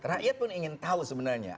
rakyat pun ingin tahu sebenarnya